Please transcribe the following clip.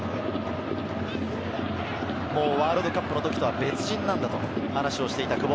ワールドカップの時とは別人なんだと話をしていた久保。